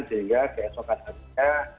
sehingga keesokan hatinya